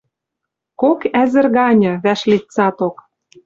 Кок ӓзӹр ганьы, вӓшлит цаток.